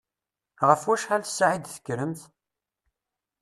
Ɣef wacḥal ssaɛa i d-tekkremt?